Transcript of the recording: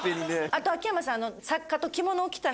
あと秋山さん。